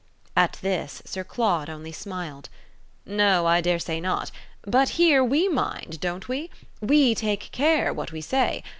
At this Sir Claude only smiled. "No, I dare say not. But here we mind, don't we? we take care what we say.